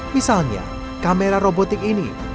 misalnya kamera robotik ini